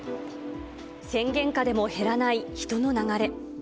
宣言下でも減らない人の流れ。